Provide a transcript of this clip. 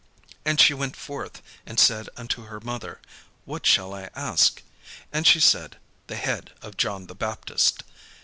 And she went forth, and said unto her mother, "What shall I ask?" And she said, "The head of John the Baptist."